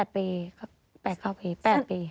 ๘ปี๘๙ปี๘ปี